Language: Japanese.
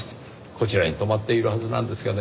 こちらに泊まっているはずなんですがね。